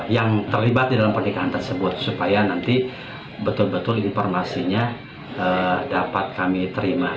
yang terlibat di dalam pernikahan tersebut supaya nanti betul betul informasinya dapat kami terima